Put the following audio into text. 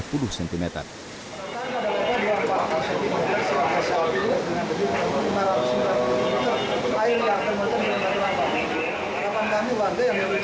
hujan tidak ada